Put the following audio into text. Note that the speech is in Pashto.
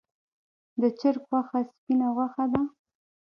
د چرګ غوښه سپینه غوښه ده